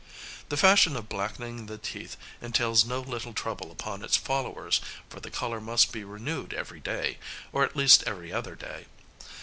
The fashion of blackening the teeth entails no little trouble upon its followers, for the colour must be renewed every day, or at least every other day.